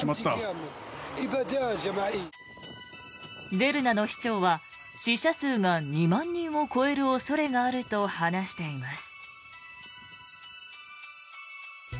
デルナの市長は死者数が２万人を超える恐れがあると話しています。